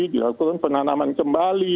dilakukan penanaman kembali